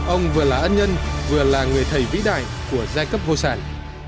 ông vừa là ân nhân vừa là người thầy vĩ đại của giai cấp vô sản